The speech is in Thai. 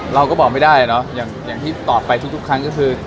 เราก็บอกไม่ได้เนอะอย่างที่ตอบไปทุกครั้งก็คือ